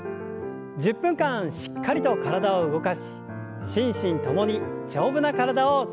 １０分間しっかりと体を動かし心身ともに丈夫な体を作りましょう。